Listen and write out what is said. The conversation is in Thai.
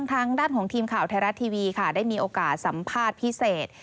ทางด้านของทีมข่าวไทยรัฐทีวีค่ะได้มีโอกาสสัมภาษณ์พิเศษ